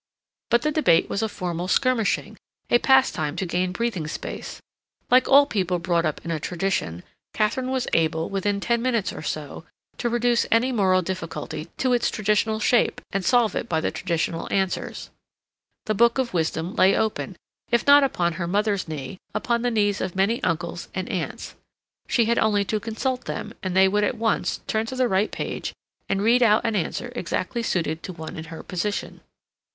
But the debate was a formal skirmishing, a pastime to gain breathing space. Like all people brought up in a tradition, Katharine was able, within ten minutes or so, to reduce any moral difficulty to its traditional shape and solve it by the traditional answers. The book of wisdom lay open, if not upon her mother's knee, upon the knees of many uncles and aunts. She had only to consult them, and they would at once turn to the right page and read out an answer exactly suited to one in her position.